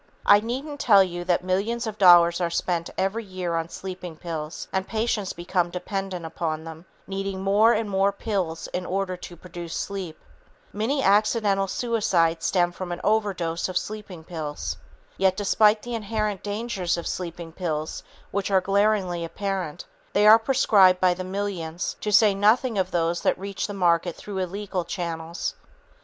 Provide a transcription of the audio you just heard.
I needn't tell you that millions of dollars are spent every year on sleeping pills and patients become dependent upon them, needing more and more pills in order to produce sleep. Many accidental suicides stem from an overdose of sleeping pills. Yet, despite the inherent dangers of sleeping pills which are glaringly apparent, they are prescribed by the millions, to say nothing of those that reach the market through illegal channels.